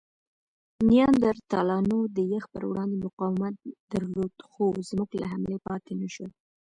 نیاندرتالانو د یخ پر وړاندې مقاومت درلود؛ خو زموږ له حملې پاتې نهشول.